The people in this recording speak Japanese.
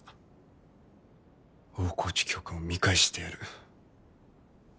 大河内教官を見返してやる。